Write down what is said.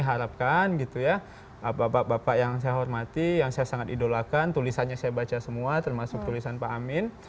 saya harapkan gitu ya bapak bapak yang saya hormati yang saya sangat idolakan tulisannya saya baca semua termasuk tulisan pak amin